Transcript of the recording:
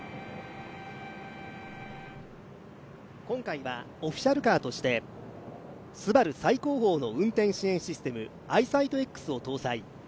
今回はオフィシャルカーとしてＳＵＢＡＲＵ最高峰の運転支援システムアイサイトＸを搭載。